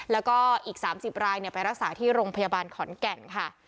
แล้วก็อีก๓๐รายไปรักษาที่โรงพยาบาลขอนแก่นค่ะ